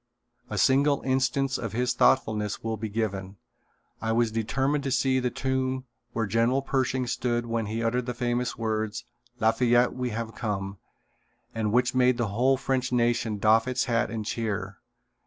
A single instance of his thoughtfulness will be given. I was determined to see the tomb where General Pershing stood when he uttered the famous words: "Lafayette we have come," and which made the whole French nation doff its hat and cheer.